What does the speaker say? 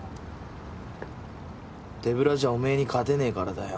手ぶらじゃおめぇに勝てねぇからだよ。